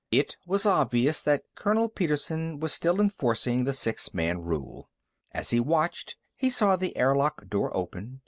It was obvious that Colonel Petersen was still enforcing the six man rule. As he watched, he saw the airlock door open.